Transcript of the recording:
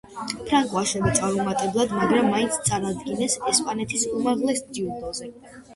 ფრანკო ასევე წარუმატებლად მაგრამ მაინც წარადგინეს ესპანეთის უმაღლეს ჯილდოზე.